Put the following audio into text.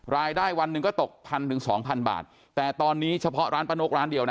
รายได้วันนึงก็ตก๑๐๐๐๒๐๐๐บาทแต่ตอนนี้เฉพาะร้านป้านกร้านเดียวนะ